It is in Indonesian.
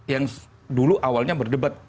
yang dulu awalnya berdebat